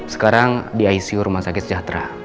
sekarang di icu rumah sakit sejahtera